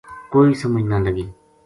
کوئی سمجھ نہ لگی